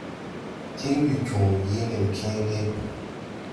Tin weejoo yee nen kęę ge.